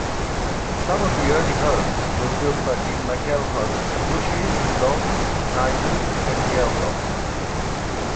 Some of the early homes were built by McElhones, Bushes, Longs, Kaisers, and Geldhofs.